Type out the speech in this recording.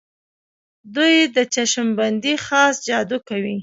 دوی د چشم بندۍ خاص جادو کوي.